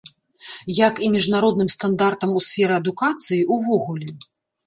Як і міжнародным стандартам у сферы адукацыі ўвогуле.